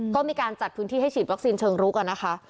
ก็มีการจัดพื้นที่ให้ฉีดวัคซีนเชิงรุกนะคะ